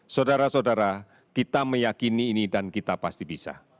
saudara saudara kita meyakini ini dan kita pasti bisa